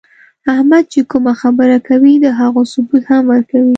احمد چې کومه خبره کوي، د هغو ثبوت هم ورکوي.